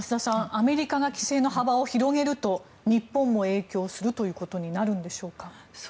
アメリカが規制の幅を広げると日本も影響するということになるんでしょうか。